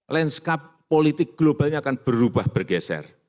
landscape politik globalnya akan berubah bergeser